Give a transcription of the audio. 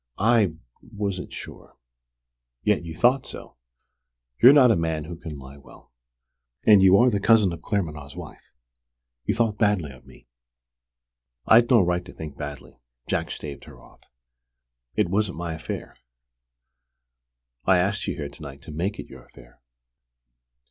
"I wasn't sure." "Yet you thought so! You're not a man who can lie well. And you are the cousin of Claremanagh's wife. You thought badly of me." "I'd no right to think badly," Jack staved her off. "It wasn't my affair!" "I asked you here to night to make it your affair."